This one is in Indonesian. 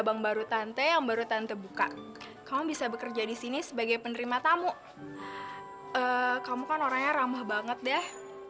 walaupun aku cuma bawa lima tangkai mawar